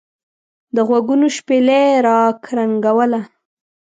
دغوږونو شپېلۍ را کرنګوله.